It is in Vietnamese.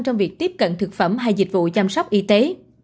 trong việc tiếp cận thực phẩm hay dịch vụ chăm sóc y tế